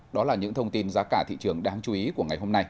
đó là những thông tin giá cả thị trường đáng chú ý của ngày hôm nay